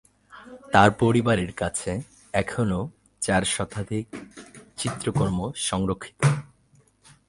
তার পরিবারের কাছে এখনও চার শতাধিক চিত্রকর্ম সংরক্ষিত।